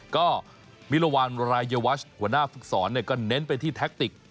ก็มิรวรรณรายวัชหัวหน้าฝึกสอนก็เน้นไปที่แท็กติก